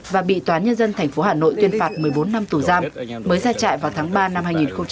và bị toán nhân dân thành phố hà nội tuyên phạt một mươi bốn năm tù giam mới ra chạy vào tháng ba năm hai nghìn hai mươi ba